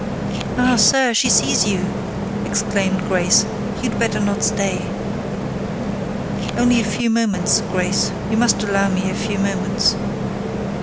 "Ah! sir, she sees you!" exclaimed Grace: "you'd better not stay." "Only a few moments, Grace: you must allow me a few moments."